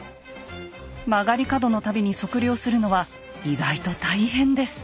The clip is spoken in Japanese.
曲がり角の度に測量するのは意外と大変です。